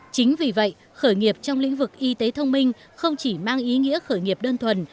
chính vì vậy khởi nghiệp trong lĩnh vực y tế thông minh không chỉ mang ý nghĩa khởi nghiệp đơn thuần